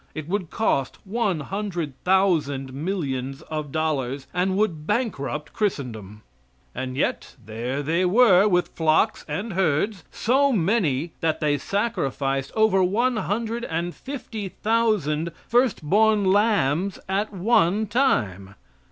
It would cost one hundred thousand millions of dollars, and would bankrupt Christendom. And yet there they were with flocks and herds so many that they sacrificed over one hundred and fifty thousand first born lambs at one time.